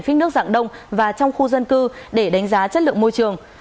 phích nước dạng đông và trong khu dân cư để đánh giá chất lượng môi trường